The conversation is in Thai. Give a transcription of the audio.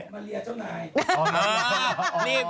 มาเลี่ยเจ้าหน่าย